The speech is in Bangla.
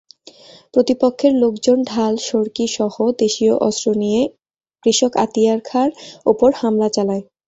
প্রতিপক্ষের লোকজন ঢাল-সড়কিসহ দেশীয় অস্ত্র নিয়ে কৃষক আতিয়ার খাঁর ওপর হামলা চালায়।